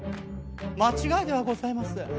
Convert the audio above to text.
間違いではございません。